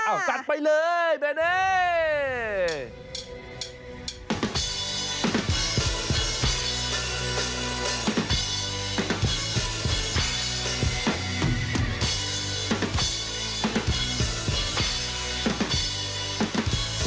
อ้าวจัดไปเลยเบเน่